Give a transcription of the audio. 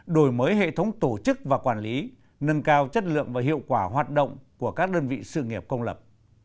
đổi mới hệ thống tổ chức và quản lý nâng cao chất lượng và hiệu quả hoạt động của các đơn vị sự nghiệp công lập